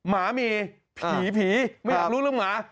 หมามีผีผีไม่อยากรู้เรื่องหมา